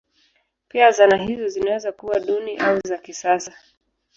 Pia zana hizo zinaweza kuwa duni au za kisasa.